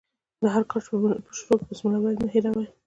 د هر کار په شروع کښي بسم الله ویل مه هېروئ!